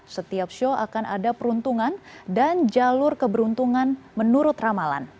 setiap show akan ada peruntungan dan jalur keberuntungan menurut ramalan